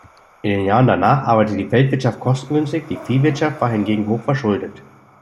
In den Jahren danach arbeitete die Feldwirtschaft kostengünstig, die Viehwirtschaft war hingegen hoch verschuldet.